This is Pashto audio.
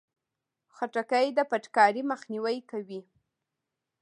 خټکی د فټکاري مخنیوی کوي.